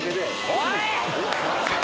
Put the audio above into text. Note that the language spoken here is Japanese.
おい！